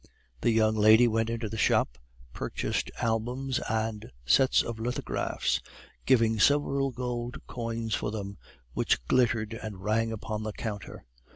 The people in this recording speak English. The young lady went into the shop, purchased albums and sets of lithographs; giving several gold coins for them, which glittered and rang upon the counter.